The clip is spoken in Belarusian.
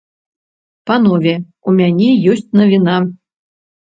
Панове, у мяне ёсць навіна.